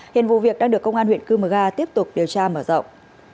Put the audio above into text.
hiện vụ việc đang được công an huyện cư mờ ga tiếp tục điều tra mở rộng